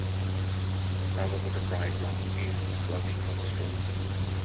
However, the dry ground aided the flooding from the storm.